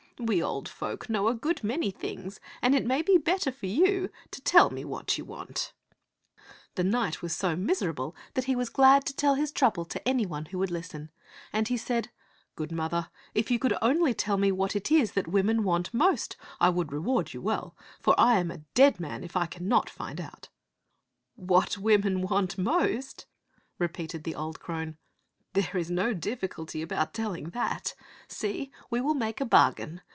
We old folk know a good many things, and it may be better for you to tell me what you want." t^^ Wxft of (gat^'B tak 1 19 The knight was so miserable that he was glad to tell his trouble to any one who would listen, and he said, Good mother, if you could only tell me what it is that women want most, I would reward you well, for I am a dead man if I cannot find out." " What women want most ?" repeated the old crone. "There is no difficulty about telling that. See, we will make a bargain.